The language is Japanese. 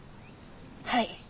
はい。